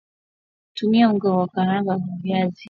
tumia unga wa karanga na viazi